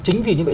chính vì như vậy